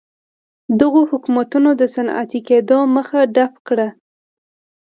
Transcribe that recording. دغو حکومتونو د صنعتي کېدو مخه ډپ کړه.